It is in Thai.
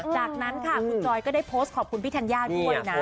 จากนั้นค่ะคุณจอยก็ได้โพสต์ขอบคุณพี่ธัญญาด้วยนะ